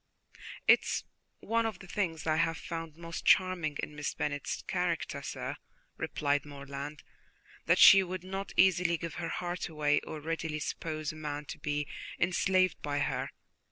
"It is one of the things I have found most charming in Miss Bennet's character, sir," replied Morland, "that she would not easily give her heart away, or readily suppose a man to be enslaved by her.